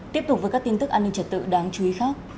tiếp tục với các tin tức an ninh trật tự đáng chú ý khác